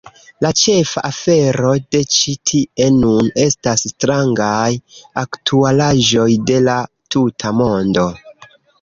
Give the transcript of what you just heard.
La ĉefa afero de Ĉi Tie Nun estas "strangaj aktualaĵoj de la tuta mondo.